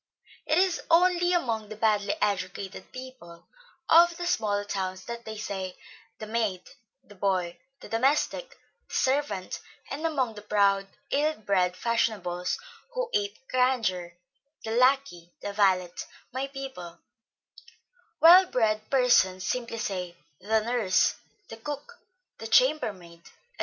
It is only among the badly educated people of the small towns that they say, the 'maid,' the 'boy,' the 'domestic,' the 'servant;' and among the proud, ill bred fashionables, who ape grandeur; the 'lackey,' the 'valet,' 'my people;' well bred persons simply say, the 'nurse,' the 'cook,' the 'chamber maid,' &c.